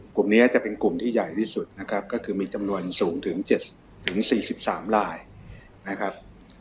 กลุ่มนี้จะเป็นกลุ่มที่ใหญ่ที่สุดนะครับก็คือมีจำนวนสูงถึง๗๔๓ลายนะครับ